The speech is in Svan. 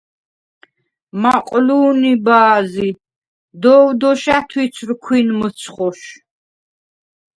მაყლუ̄ნი ბა̄ზი, “დოვ დეშ ა̈თუ̈ცვრ ქვინ მჷცხუშ”.